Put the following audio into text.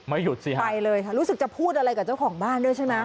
หยุดสิฮะไปเลยค่ะรู้สึกจะพูดอะไรกับเจ้าของบ้านด้วยใช่ไหม